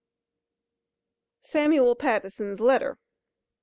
SAMUEL PATTISON'S LETTER.